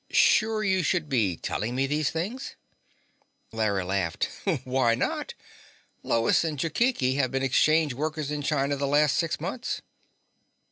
"Sure you should be telling me these things?" Larry laughed. "Why not? Lois and Jokichi have been exchange workers in China the last six months."